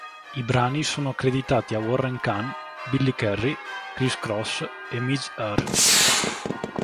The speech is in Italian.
I brani sono accreditati a Warren Cann, Billy Currie, Chris Cross e Midge Ure.